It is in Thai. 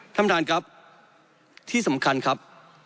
ท่านประธานครับที่สำคัญครับ